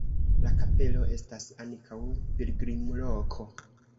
La kapelo estas ankaŭ pilgrimloko.